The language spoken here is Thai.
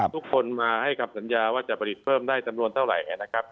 ทุกคนมาให้กับสัญญาว่าจะผลิตเพิ่มได้ตำรวจเท่าไหร่